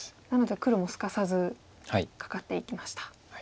なので黒もすかさずカカっていきました。